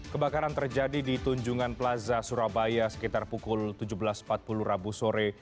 kebakaran terjadi di tunjungan plaza surabaya sekitar pukul tujuh belas empat puluh rabu sore